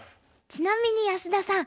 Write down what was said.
ちなみに安田さん。